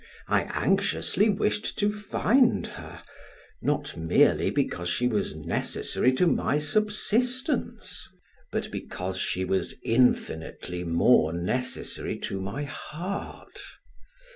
I anxiously wished to find her, not merely because she was necessary to my subsistence, but because she was infinitely more necessary to my heart.